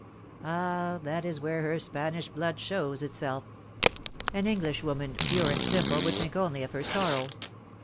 "Ah! that is where her Spanish blood shows itself. An Englishwoman, pure and simple, would think only of her sorrow.